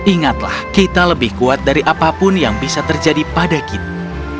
ingatlah kita lebih kuat dari apapun yang bisa terjadi pada kita